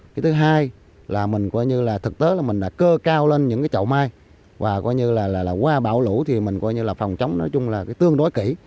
cái thứ hai là mình coi như là thực tế là mình đã cơ cao lên những cái chậu mai và coi như là qua bão lũ thì mình coi như là phòng chống nói chung là cái tương đối kỹ